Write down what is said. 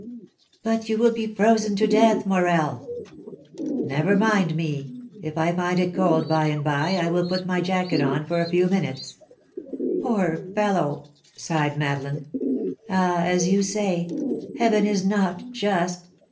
"But you will be frozen to death, Morel!" "Never mind me; if I find it cold by and by, I will put my jacket on for a few minutes." "Poor fellow!" sighed Madeleine. "Ah, as you say, Heaven is not just!